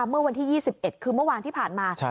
เมื่อวันที่๒๑คือเมื่อวานที่ผ่านมา